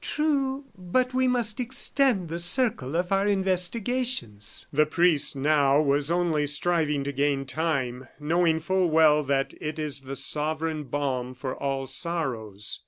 "True; but we must extend the circle of our investigations." The priest, now, was only striving to gain time, knowing full well that it is the sovereign balm for all sorrows.